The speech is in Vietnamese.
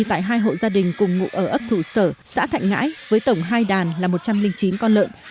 tại hai hộ gia đình cùng ngụ ở ấp thủ sở xã thạnh ngãi với tổng hai đàn là một trăm linh chín con lợn